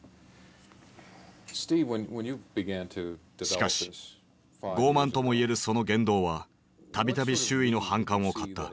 しかし傲慢とも言えるその言動はたびたび周囲の反感を買った。